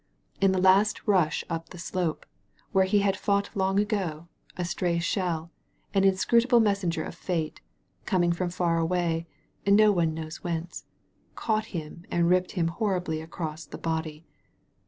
In the last rush up the slope, where he had fought long ago, a stray shell, an inscrutable messenger of fate, coming from far away, no one knows whence, caught him and ripped him horribly across the body.